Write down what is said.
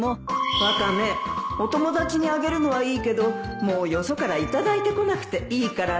ワカメお友達にあげるのはいいけどもうよそから頂いてこなくていいからね